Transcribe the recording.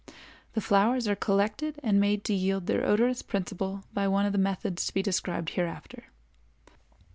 The flowers are collected and made to yield their odorous principle by one of the methods to be described hereafter.